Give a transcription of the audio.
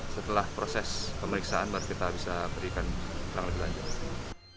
setelah proses pemeriksaan baru kita bisa berikan langkah lanjut